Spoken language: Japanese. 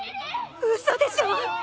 嘘でしょ！？